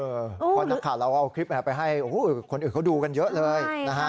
ค่อยนะค่ะเราเอาคลิปมาให้คุณอื่นเขาดูกันเยอะเลย